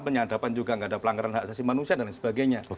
penyadapan juga nggak ada pelanggaran hak asasi manusia dan lain sebagainya